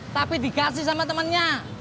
tapi dikasih sama temennya